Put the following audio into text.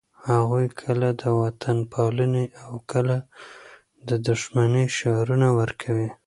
هغوی کله د وطنپالنې او کله د دښمنۍ شعارونه ورکوي.